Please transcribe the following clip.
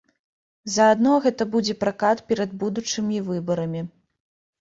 Заадно гэта будзе пракат перад будучымі выбарамі.